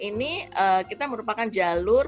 ini kita merupakan jalur